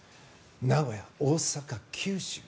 名古屋、大阪、九州。